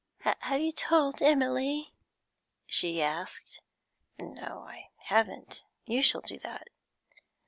'Have you told Emily?' she asked. 'No, I haven't. You shall do that.'